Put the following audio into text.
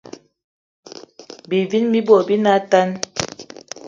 Bivini bi bot bi ne atane